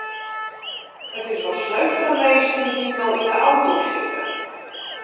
It is wat sneu foar de minsken dy't no yn de auto sitte.